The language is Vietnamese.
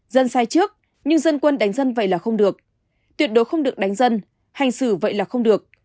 dân sai trước nhưng dân quân đánh dân vậy là không được tuyệt đối không được đánh dân hành xử vậy là không được